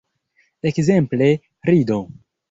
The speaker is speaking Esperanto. Ekzemple, rido.